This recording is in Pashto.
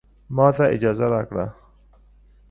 ماته اجازه راکړه